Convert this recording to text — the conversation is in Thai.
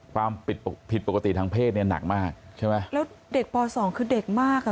ความผิดปกติผิดปกติทางเพศเนี่ยหนักมากใช่ไหมแล้วเด็กปสองคือเด็กมากอ่ะ